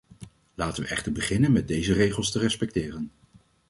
Laten we echter beginnen met deze regels te respecteren.